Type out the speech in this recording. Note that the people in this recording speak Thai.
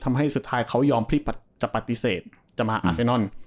ทำให้สุดท้ายเขายอมที่จะปฏิเสธจะมาอาเซนอน